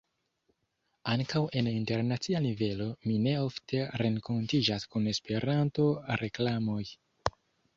Ankaŭ en internacia nivelo mi ne ofte renkontiĝas kun Esperanto-reklamoj.